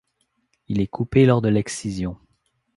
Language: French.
Il est coupé lors de l'excision.